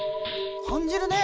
感じるね。